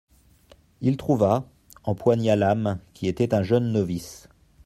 Il trouva, empoigna l'âme, qui était un jeune novice.